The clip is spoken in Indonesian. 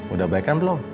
udah baik kan belum